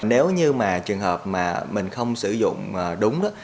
nếu như mà trường hợp mà mình không sử dụng đúng đó